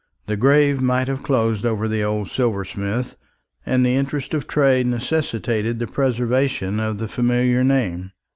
The grave might have closed over the old silversmith, and the interest of trade necessitate the preservation of the familiar name.